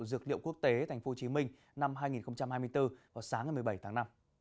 dược liệu quốc tế tp hcm năm hai nghìn hai mươi bốn vào sáng một mươi bảy tháng năm